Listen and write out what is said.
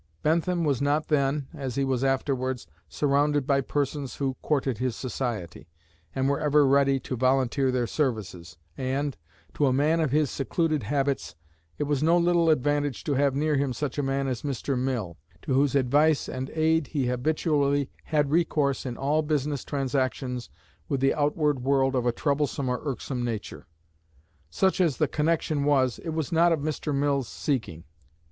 Bentham was not then, as he was afterwards, surrounded by persons who courted his society, and were ever ready to volunteer their services, and, to a man of his secluded habits, it was no little advantage to have near him such a man as Mr. Mill, to whose advice and aid he habitually had recourse in all business transactions with the outward world of a troublesome or irksome nature. Such as the connection was, it was not of Mr. Mill's seeking."